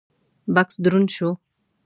بکس دروند شو: